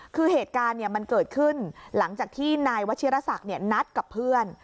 คือเหตุการณ์มันเกิดขึ้นหลังจากที่นายวัชิรษักนัดกับเพื่อน